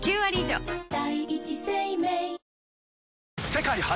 世界初！